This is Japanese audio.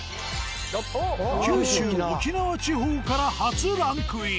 九州沖縄地方から初ランクイン。